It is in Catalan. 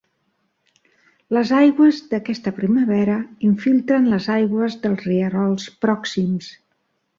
Les aigües d'aquesta primavera infiltren les aigües dels rierols pròxims.